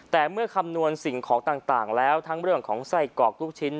แต่เมื่อคำนวณสิ่งของต่างแล้วทั้งเรื่องของไส้กรอกลูกชิ้น